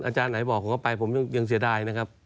อาจารย์ไหนบอกผมก็ไปยังเสียดายนะครับ